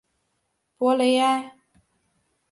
博雷埃。